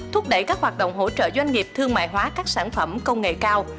thúc đẩy các hoạt động hỗ trợ doanh nghiệp thương mại hóa các sản phẩm công nghệ cao